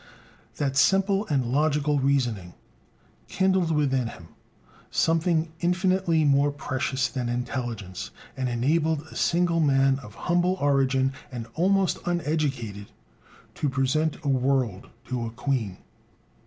That simple and logical reasoning kindled within him something infinitely more precious than intelligence, and enabled a single man of humble origin, and almost uneducated, to present a world to a queen.